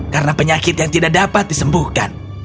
karena penyakit yang tidak dapat disembuhkan